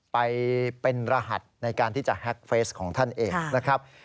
ไปเป็นรหัสในการที่จะแฮ็กเฟสของท่านเองนะครับ